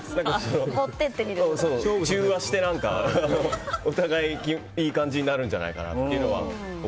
中和して、お互いにいい感じになるんじゃないかなと。